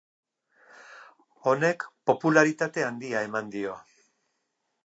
Honek popularitate handia eman dio.